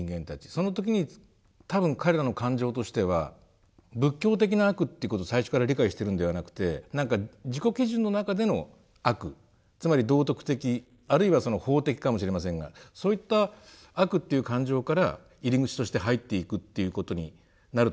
その時に多分彼らの感情としては仏教的な悪っていうことを最初から理解してるんではなくてなんか自己基準の中での悪つまり道徳的あるいは法的かもしれませんがそういった悪っていう感情から入り口として入っていくっていうことになると思うんですけれども。